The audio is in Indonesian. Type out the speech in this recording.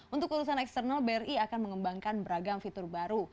untuk urusan eksternal bri akan mengembangkan beragam fitur baru